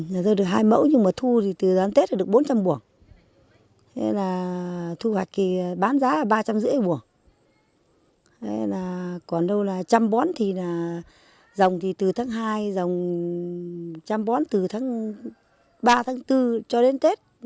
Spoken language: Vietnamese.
nhà dân được hai mẫu nhưng mà thu thì từ đoàn tết được bốn trăm linh buồng thu hoạch thì bán giá là ba trăm năm mươi buồng còn đâu là trăm bón thì là dòng từ tháng hai dòng trăm bón từ tháng ba tháng bốn cho đến tết